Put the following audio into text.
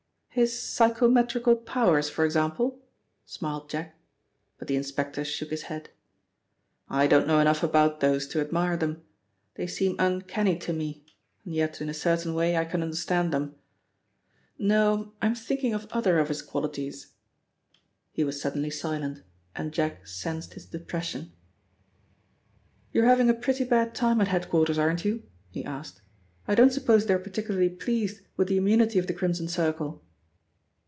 "His psychometrical powers, for example," smiled Jack, but the inspector shook his head. "I don't know enough about those to admire them. They seem uncanny to me, yet in a certain way I can understand them. No, I am thinking of other of his qualities." He was suddenly silent, and Jack sensed his depression. "You're having a pretty bad time at head quarters, aren't you?" he asked. "I don't suppose they are particularly pleased with the immunity of the Crimson Circle?"